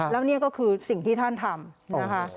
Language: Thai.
แล้วนี่ก็คือสิ่งที่ท่านทำนะคะ